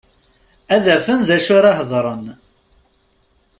Ad afen d acu ara hedren.